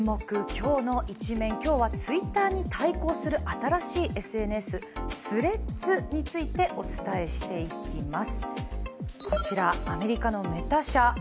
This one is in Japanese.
きょうのイチメン」、今日はＴｗｉｔｔｅｒに対抗する新しいＳＮＳ、Ｔｈｒｅａｄｓについてお伝えしていきます。